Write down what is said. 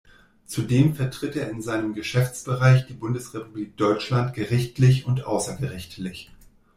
Zudem vertritt er in seinem Geschäftsbereich die Bundesrepublik Deutschland gerichtlich und außergerichtlich.